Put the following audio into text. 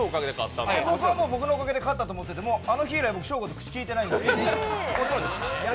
僕は僕のおかげで勝ったと思ってるんであの日以来ショーゴと口きいてないんです。